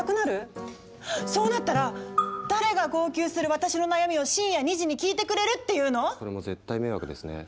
そうなったら誰が号泣する私の悩みを深夜２時に聞いてくれるっていうの⁉それも絶対迷惑ですね。